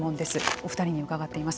お２人に伺っています。